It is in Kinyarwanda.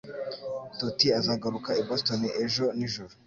Totti azagaruka i Boston ejo nijoro